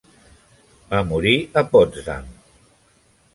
Va morir a Potsdam.